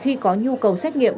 khi có nhu cầu xét nghiệm